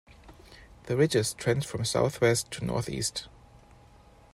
The ridges trend from southwest to northeast.